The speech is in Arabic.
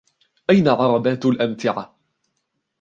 أين عربات الأمتعة ؟